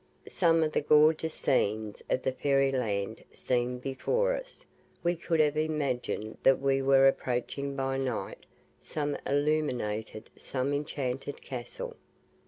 Some of the gorgeous scenes of fairy land seemed before us we could have imagined that we were approaching by night some illuminated, some enchanted castle.